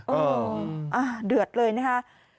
อืมอ่าเดือดเลยนะฮะ